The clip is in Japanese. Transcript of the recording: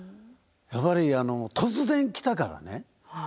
やっぱり突然来たからね。